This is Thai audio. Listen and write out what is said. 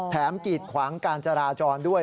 กีดขวางการจราจรด้วย